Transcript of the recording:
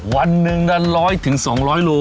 วัน๑นั้นร้อยถึง๒๐๐โล